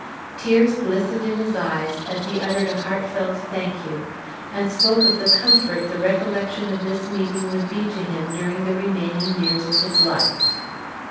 Tears glistened in his eyes as he uttered a heartfelt "Thank you!" and spoke of the comfort the recollection of this meeting would be to him during the remaining years of his life.